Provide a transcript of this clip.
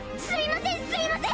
すいません！